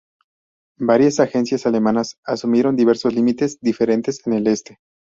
Varias agencias alemanas asumieron diversos límites diferentes en el este.